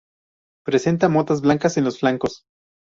Presenta motas blancas en los flancos.